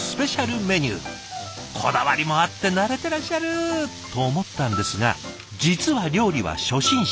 こだわりもあって慣れてらっしゃる！と思ったんですが実は料理は初心者。